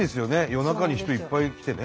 夜中に人いっぱい来てね。